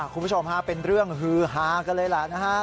คุณผู้ชมฮะเป็นเรื่องฮือฮากันเลยแหละนะฮะ